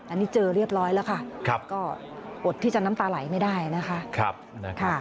อันนี้เจอเรียบร้อยแล้วค่ะก็อดที่จะน้ำตาไหลไม่ได้นะคะ